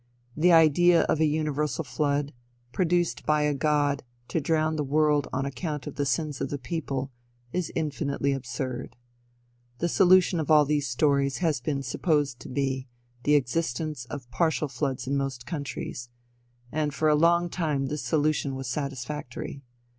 The idea of a universal flood, produced by a god to drown the world on account of the sins of the people, is infinitely absurd. The solution of all these stories has been supposed to be, the existence of partial floods in most countries; and for a long time this solution was satisfactory.